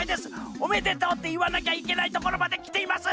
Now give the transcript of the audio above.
「おめでとう」っていわなきゃいけないところまできています。